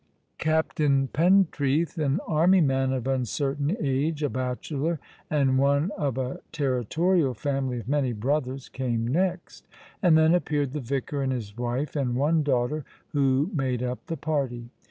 Captain Pentreath, an army man of uncertain age, a bachelor, and one of a territorial family of many brothers, came next ; and then appeared the vicar and his wife and one daughter, who made up the party.